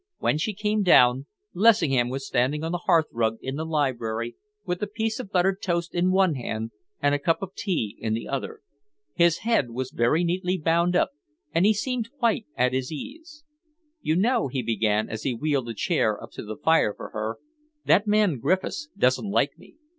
When she came down, Lessingham was standing on the hearth rug in the library, with a piece of buttered toast in one hand and a cup of tea in the other. His head was very neatly bound up, and he seemed quite at his ease. "You know," he began, as he wheeled a chair up to the fire for her, "that man Griffiths doesn't like me.